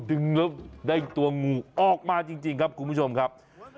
ดึงแล้วได้ตัวงูออกมาจริงครับคุณผู้ชมครับ